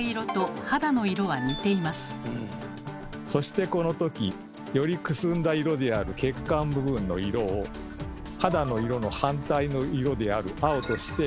そしてこの時よりくすんだ色である血管部分の色を腕の色の反対の色である青として見てしまうのです。